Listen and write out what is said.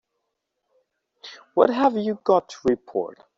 What have you got to report?